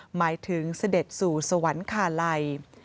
หมายถึงเสด็จสู่สวรรคาลัย